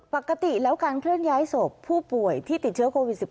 ปกติแล้วการเคลื่อนย้ายศพผู้ป่วยที่ติดเชื้อโควิด๑๙